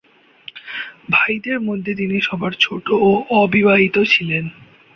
ভাইদের মধ্যে তিনি সবার ছোট ও অবিবাহিত ছিলেন।